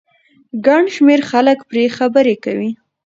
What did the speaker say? ګن شمېر خلک پرې خبرې کوي